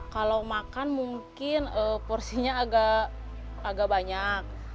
kalau makan mungkin porsinya agak banyak